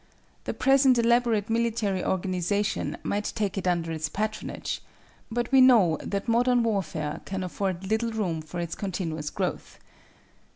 The present elaborate military organization might take it under its patronage, but we know that modern warfare can afford little room for its continuous growth.